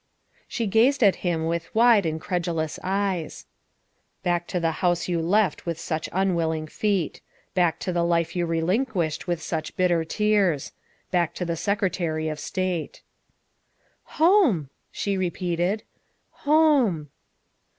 She gazed at him with wide, incredulous eyes. '' Back to the house you left with such unwilling feet ; back to the life you relinquished with such bitter tears ; back to the Secretary of State." " Home," she repeated, " home."